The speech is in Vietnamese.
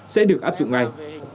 sẽ được áp dụng ngay